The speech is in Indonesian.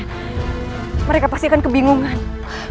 dia pasti akan mencariku ke tempat persembunyian sebelumnya